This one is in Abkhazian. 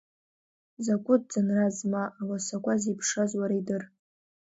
Закәытә ӡынраз, ма руасақәа зеиԥшраз уара идыр.